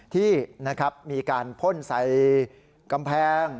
ที่มีการพ่นใส่กำแพง